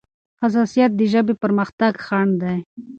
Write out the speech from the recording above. حساسيت د ژبې پرمختګ خنډ دی.